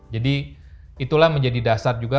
jadi itulah menjadi dasar juga